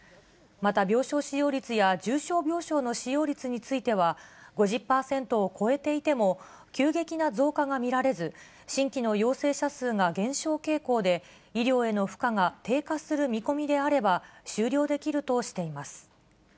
また病床使用率や重症病床の使用率については、５０％を超えていても、急激な増加が見られず、新規の陽性者数が減少傾向で、医療への負荷が低下する見込みであれば、終了できるとしています。